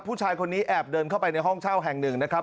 ผู้ชายคนนี้แอบเดินเข้าไปในห้องเช่าแห่งหนึ่งนะครับ